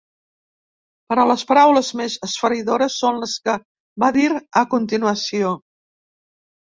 Però les paraules més esfereïdores són les que va dir a continuació.